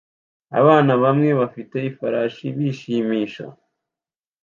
Abana bamwe bafite ifarashi bishimisha